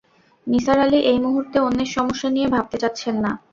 নিসার আলি এই মুহূর্তে অন্যের সমস্যা নিয়ে ভাবতে চাচ্ছেন না।